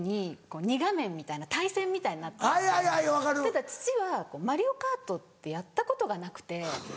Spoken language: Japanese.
ただ父は『マリオカート』ってやったことがなくて。